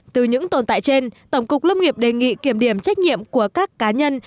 từ những tồn tại trên tổng cục lâm nghiệp đề nghị kiểm điểm trách nhiệm của các cá nhân